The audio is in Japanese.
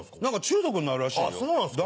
何か中毒になるらしいよ。